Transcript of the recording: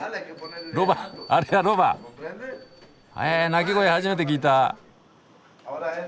鳴き声初めて聞いた。